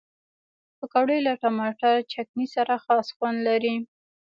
پکورې له ټماټر چټني سره خاص خوند لري